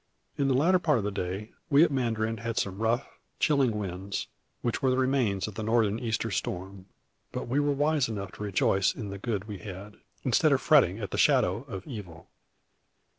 In the latter part of the day, we at Mandarin had some rough, chilling winds, which were the remains of the Northern Easter storm; but we were wise enough to rejoice in the good we had, instead of fretting at the shadow of evil.